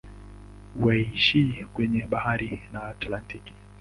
Unaishia kwenye bahari ya Atlantiki.